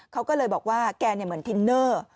เขาก็เลยบอกว่าแกเหมือนทินเนอร์